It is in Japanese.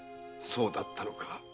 そうだったのか。